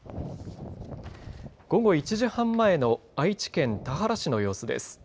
午後１時半前の愛知県田原市の様子です。